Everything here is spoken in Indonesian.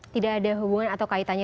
tidak ada hubungan atau kaitannya